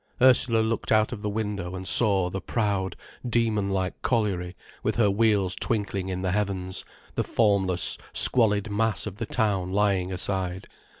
Ursula looked out of the window and saw the proud, demonlike colliery with her wheels twinkling in the heavens, the formless, squalid mass of the town lying aside.